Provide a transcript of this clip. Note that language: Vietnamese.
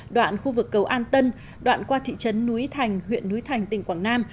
đoạn khu vực cầu an tân đoạn qua thị trấn núi thành huyện núi thành tỉnh quảng nam